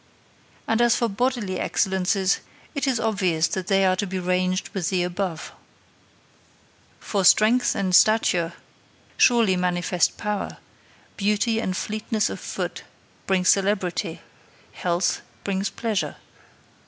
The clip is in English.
And as for bodily excellences, it is obvious that they are to be ranged with the above. For strength and stature surely manifest power; beauty and fleetness of foot bring celebrity; health brings pleasure.